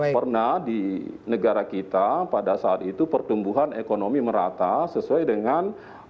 pernah di negara kita pada saat itu pertumbuhan ekonomi merata sesuai dengan